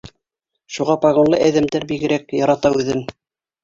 Шуға погонлы әҙәмдәр бигерәк «ярата» үҙен.